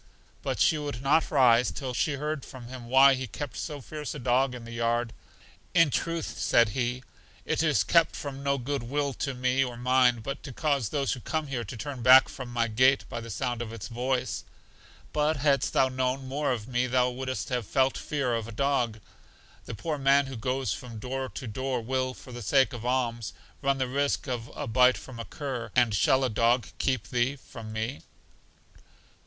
But she would not rise till she had heard from Him why He kept so fierce a dog in the yard. He told her He did not own the dog, but that it was shut up in the grounds of one who dwelt near. In truth, said He, it is kept from no good will to me or mine, but to cause those who come here to turn back from my gate by the sound of its voice. But hadst thou known more of me thou wouldst not have felt fear of a dog. The poor man who goes from door to door will, for the sake of alms, run the risk of a bite from a cur; and shall a dog keep thee from me?